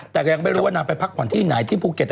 แต่ก็ยังไม่รู้ว่านางไปพักผ่อนที่ไหนที่ภูเก็ต